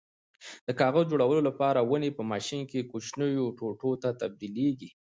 د کاغذ جوړولو لپاره ونې په ماشین کې کوچنیو ټوټو ته تبدیلېږي.